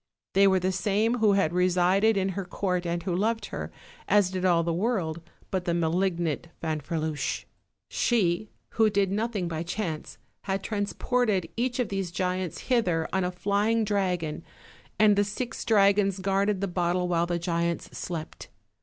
They were the same who had resided in her court and who loved her, as did all the world but the malignant Fanferluche. She, who did nothing by chance, had transported each of these giunts hither on a 210 OLD, OLD FAIRY TALES. flying dragon, and the six dragons guarded the bottle while the giants slept.